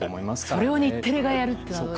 それを日テレがやるというのは。